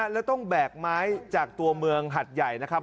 แล้วต้องแบกไม้จากตัวเมืองหัดใหญ่นะครับ